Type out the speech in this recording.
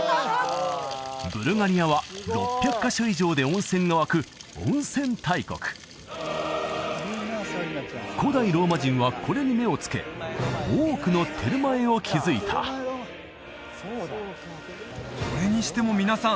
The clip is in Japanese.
ブルガリアは６００カ所以上で温泉が湧く温泉大国古代ローマ人はこれに目を付け多くのテルマエを築いたそれにしても皆さん